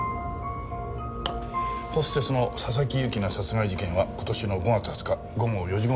ホステスの佐々木由紀奈殺害事件は今年の５月２０日午後４時頃に起きてます。